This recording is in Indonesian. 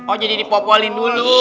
oh jadi dipopolin dulu